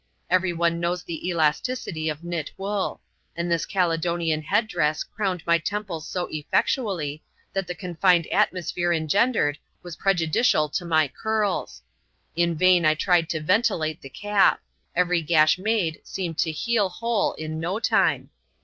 Every one knows the elasticity of knit wool ; and this Caledonian head dress crowned my temples so effectually, that the confined atmosphere engendered was prejudicial to my curls. In vain I tried to ventilate the cap : every gash made seemed to heal whole in no time.